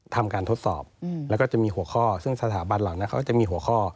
ทำการทดสอบแล้วก็จะมีหัวข้อซึ่งสถาบันเหล่านั้นเขาก็จะมีหัวข้อ